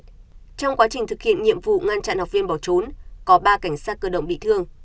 trong quá trình thực hiện nhiệm vụ ngăn chặn học viên bỏ trốn có ba cảnh sát cơ động bị thương